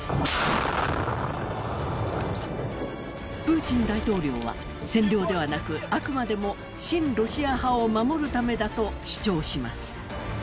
プーチン大統領は、占領ではなく、あくまでも親ロシア派を守るためだと主張します。